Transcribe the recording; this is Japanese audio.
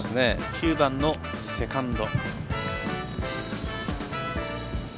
９番のセカンド。